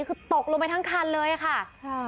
คือตกลงไปทั้งคันเลยค่ะ